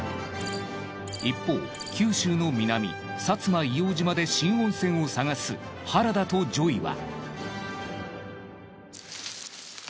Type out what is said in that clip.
一方九州の南薩摩硫黄島で新温泉を探す原田とＪＯＹは。